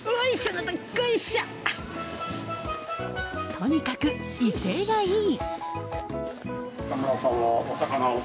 とにかく威勢がいい！